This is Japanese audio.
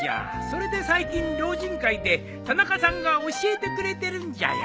それで最近老人会で田中さんが教えてくれてるんじゃよ。